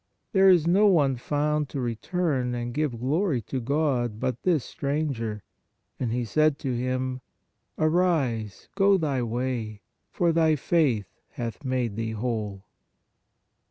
There is no one found to return and give glory to God, but this stranger. And He said to him: Arise, go thy way, for thy faith hath made thee whole."